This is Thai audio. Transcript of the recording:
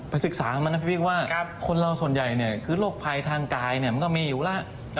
ไปศึกษามานะพี่พีคว่าคนเราส่วนใหญ่เนี่ยคือโรคภัยทางกายเนี่ยมันก็มีอยู่ล่ะ